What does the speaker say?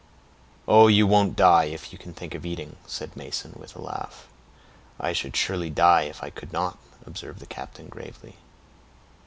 "Oh! you won't die if you can think of eating," said Mason, with a laugh. "I should surely die if I could not," observed the captain, gravely.